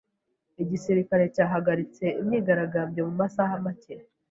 Igisirikare cyahagaritse imyigaragambyo mu masaha make.